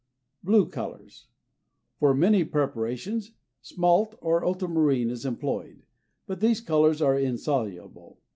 BLUE COLORS. For many preparations smalt or ultramarine is employed, but these colors are insoluble.